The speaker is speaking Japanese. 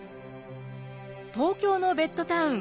東京のベッドタウン